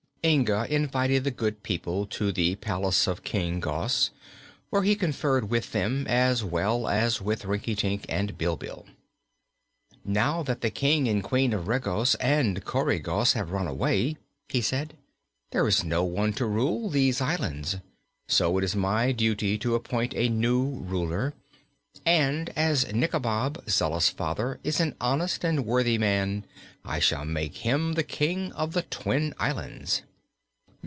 Inga invited the good people to the palace of King Gos, where he conferred with them, as well as with Rinkitink and Bilbil. "Now that the King and Queen of Regos and Coregos have run away," he said, "there is no one to rule these islands. So it is my duty to appoint a new ruler, and as Nikobob, Zella's father, is an honest and worthy man, I shall make him the King of the Twin Islands."